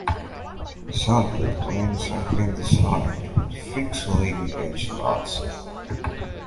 Some airplanes have been designed with fixed leading edge slots.